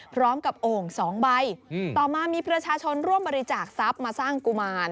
โอ่งสองใบต่อมามีประชาชนร่วมบริจาคทรัพย์มาสร้างกุมาร